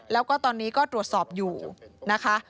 แล้วก็ตอนนี้ก็ตรวจสอบอยู่นะคะ